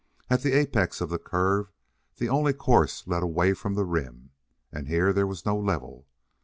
At the apex of the curve the only course led away from the rim, and here there was no level.